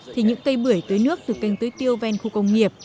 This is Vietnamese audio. thì những cây bưởi tưới nước từ canh tưới tiêu ven khu công nghiệp